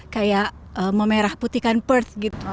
kita memerah putihkan perth gitu